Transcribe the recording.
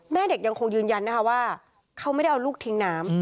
แม่เด็กยังคงยืนยันนะคะว่าเขาไม่ได้เอาลูกทิ้งน้ำ